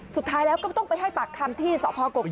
สุดท้ายแล้วก็ไม่ต้องไปให้ตักคำที่สคกกลุ้มอยู่ดีนะ